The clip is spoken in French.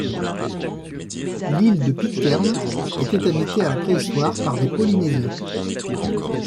L'île de Pitcairn était habitée à la Préhistoire par des Polynésiens.